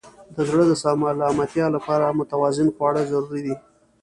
د زړه د سلامتیا لپاره متوازن خواړه ضروري دي.